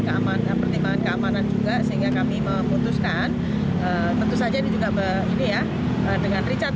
keamanan pertimbangan keamanan juga sehingga kami memutuskan tentu saja ini juga ini ya dengan richard